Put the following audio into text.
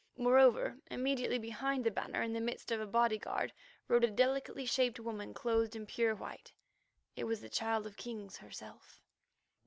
Moreover, immediately behind the banner in the midst of a bodyguard rode a delicately shaped woman clothed in pure white. It was the Child of Kings herself!